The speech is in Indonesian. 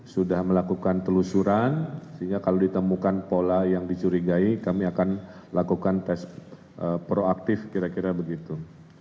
sudah melakukan telusuran sehingga kalau ditemukan pola yang dicurigai kami akan lakukan tes proaktif kira kira begitu